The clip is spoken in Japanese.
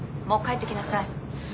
もう帰ってきなさい。